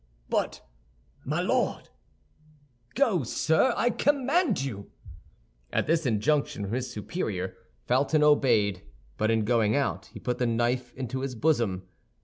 "But, my Lord—" "Go, sir, I command you!" At this injunction from his superior, Felton obeyed; but in going out, he put the knife into his bosom.